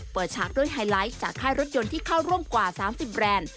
ฉากด้วยไฮไลท์จากค่ายรถยนต์ที่เข้าร่วมกว่า๓๐แบรนด์